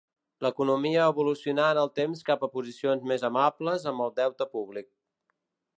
L'economia evolucionà en el temps cap a posicions més amables amb el deute públic.